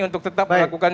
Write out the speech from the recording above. untuk tetap melakukan